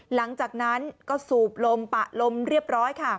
หลังจากนั้นก็สูบลมปะลมเรียบร้อยค่ะ